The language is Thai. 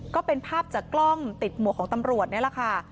ก็เป็นภาพจากกล้องติดหมวกของตำรวจนี่แหละค่ะ